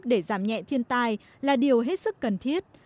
để giảm nhẹ thiên tai là điều hết sức cần thiết